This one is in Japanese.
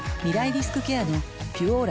リスクケアの「ピュオーラ」